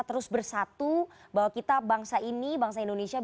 terus bersatu bahwa kita bangsa ini bangsa indonesia